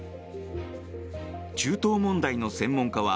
中東問題の専門家は